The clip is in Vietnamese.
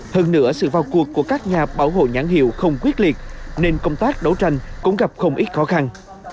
hơn nữa sự vào cuộc của các nhà bảo hộ nhãn hiệu không quyết liệt nên công tác đấu tranh cũng gặp không ít khó khăn